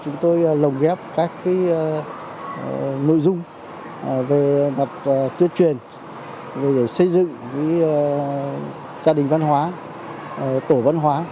nội dung về mặt tuyết truyền về xây dựng gia đình văn hóa tổ văn hóa